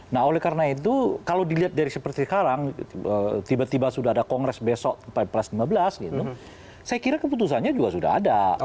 nah oleh karena itu kalau dilihat dari seperti sekarang tiba tiba sudah ada kongres besok plus lima belas gitu saya kira keputusannya juga sudah ada